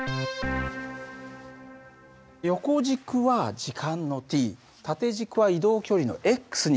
横軸は時間のｔ縦軸は移動距離のにしてある。